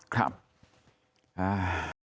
ครับ